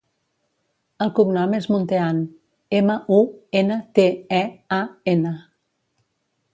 El cognom és Muntean: ema, u, ena, te, e, a, ena.